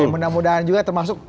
mudah mudahan juga termasuk